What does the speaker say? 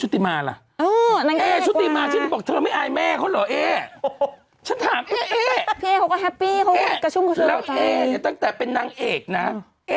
ที่เราว่าเอ๊ตั้งแต่เป็นนางเอกนะ